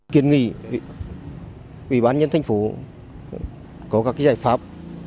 kiên nghị ủy bán nhân thành phố có các giải pháp